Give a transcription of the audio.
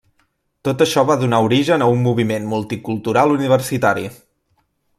Tot això va donar origen a un moviment multicultural universitari.